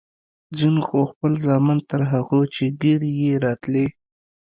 ځينو خو خپل زامن تر هغو چې ږيرې يې راتلې.